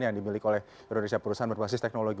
yang dimiliki oleh indonesia perusahaan berbasis teknologi